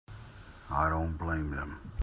I don't blame them.